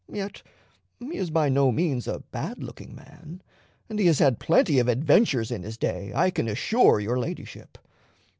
Yet he is by no means a bad looking man, and he has had plenty of adventures in his day, I can assure your Ladyship.